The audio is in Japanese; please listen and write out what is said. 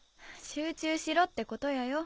集中しろってことやよ。